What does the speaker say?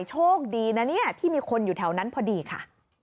โชคดีนะเนี่ยที่มีคนอยู่แถวนั้นพอดีค่ะ